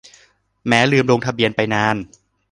แม้ลืมลงทะเบียนไปนาน